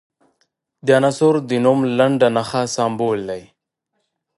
د عنصر د نوم لنډه نښه سمبول دی.